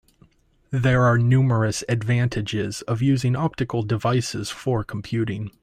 There are numerous advantages of using optical devices for computing.